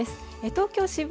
東京・渋谷